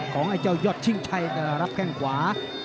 ของไอ้เจ้ายอดชิงชัยแต่ละมัดแค่งขวา